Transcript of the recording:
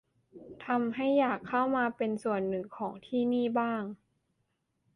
ทำให้อยากเข้ามาเป็นส่วนหนึ่งของที่นี่บ้าง